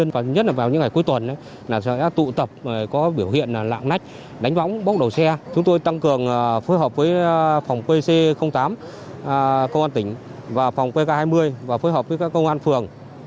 phối hợp với phòng qc tám công an tỉnh và phòng qk hai mươi và phối hợp với các công an phường